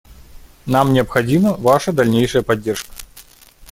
Нам необходима ваша дальнейшая поддержка.